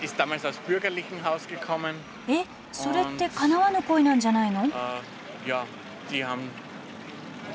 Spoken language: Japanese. えっそれってかなわぬ恋なんじゃないの？